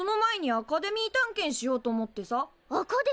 アカデミー探検。